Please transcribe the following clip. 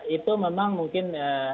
itu memang mungkin